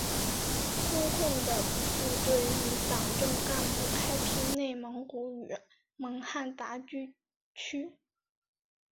中共的部队与党政干部开辟内蒙古与蒙汉杂居区。